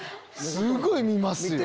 すごい見ますよ。